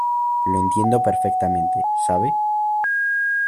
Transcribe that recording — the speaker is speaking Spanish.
lo entiendo perfectamente. ¿ sabe?